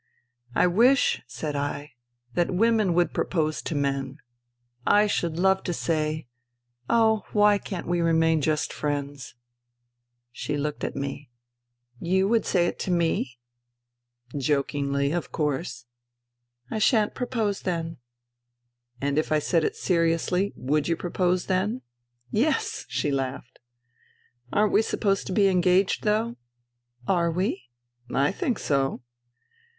" I wish," said I, " that women would propose to men. ... I should love to say, ' Oh, why can't we remain just friends ?*" She looked at me. " You would say it to me ?"" Jokingly, of course." " I shan't propose then." " And if I said it seriously, would you propose then ?"" Yes," she laughed. " Aren't we supposed to be engaged, though ?"" Are we ?" "I think so."